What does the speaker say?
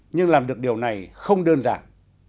nhưng làm được điều này không đơn giản